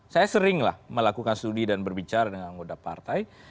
saya seringlah melakukan studi dan berbicara dengan anggota partai